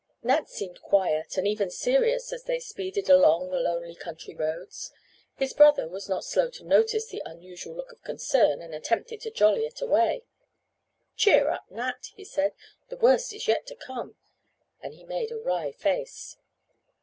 Nat seemed quiet, and even serious as they speeded along the lonely country roads. His brother was not slow to notice the unusual look of concern and attempted to "jolly" it away. "Cheer up, Nat," he said. "The worst is yet to come," and he made a wry face.